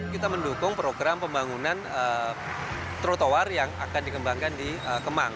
kita mendukung program pembangunan trotoar yang akan dikembangkan di kemang